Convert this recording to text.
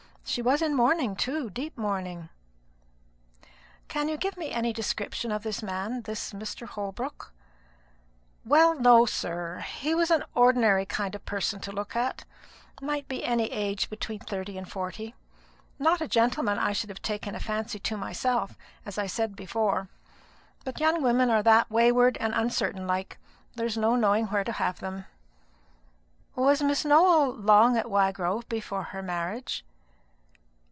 She was in mourning, too, deep mourning." "Can you give me any description of this man this Mr. Holbrook?" "Well, no, sir: he was an ordinary kind of person to look at; might be any age between thirty and forty; not a gentleman that I should have taken a fancy to myself, as I said before; but young women are that wayward and uncertain like, there's no knowing where to have them." "Was Miss Nowell long at Wygrove before her marriage?"